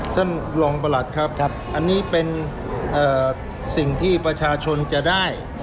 ท่านรองประหลัดครับอันนี้เป็นสิ่งที่ประชาชนจะได้